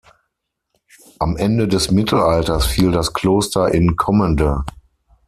Am Ende des Mittelalters fiel das Kloster in Kommende.